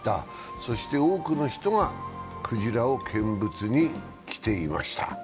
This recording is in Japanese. そして多くの人がクジラを見物に来ていました。